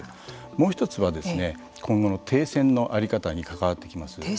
もう一つは今後の停戦のあり方に関わってきます。